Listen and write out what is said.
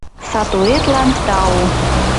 Сатуэтлан тау.